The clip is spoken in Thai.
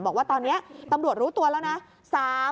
บอกว่าตอนนี้ตำรวจรู้ตัวแล้วนะ